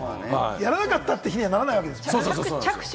やらなかったという日にはならないですね。